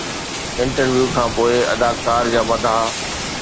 interview کانپوءِ اداڪار جا مداح